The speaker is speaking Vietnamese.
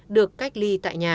được cách ly